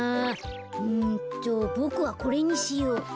うんとボクはこれにしよう。